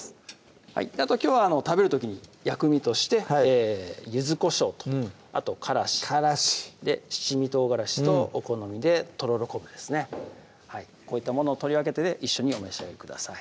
あときょうは食べる時に薬味として柚子こしょうとあとからしからし七味唐辛子とお好みでとろろ昆布ですねこういったものを取り分けて一緒にお召し上がりください